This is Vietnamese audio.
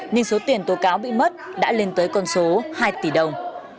nhưng số tiền tố cáo bị mất đã lên tới con số hai tỷ đồng